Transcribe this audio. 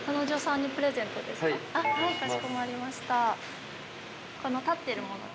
かしこまりましたこの立ってるもので？